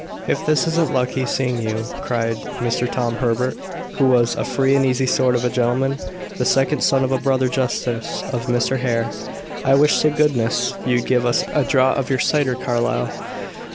"If this isn't lucky, seeing you," cried Mr. Tom Herbert, who was a free and easy sort of a gentleman, the second son of a brother justice of Mr. Hare. "I wish to goodness you'd give us a draught of your cider, Carlyle.